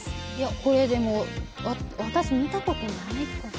これでも私見たことないかも。